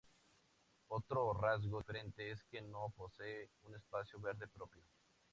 Otro rasgo diferente es que no posee un espacio verde propio.